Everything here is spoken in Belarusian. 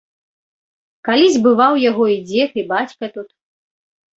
Калісь бываў яго і дзед і бацька тут.